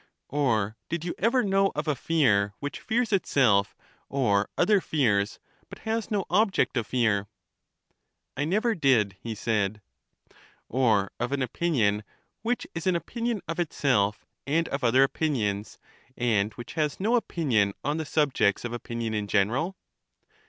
Or did you ever know of a fear which fears itself or other fears, but has no object of fear? I never did, he said. Or of an opinion which is an opinion of itself and of other opinions, and which has no opinion on the subjects of opinion in general?